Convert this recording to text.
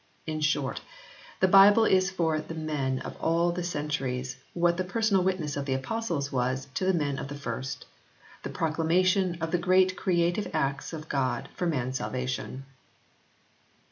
In short, the Bible is for the men of all the centuries what the personal witness of the Apostles was to the men of the first the proclamation of the great creative acts of God for man s salvation.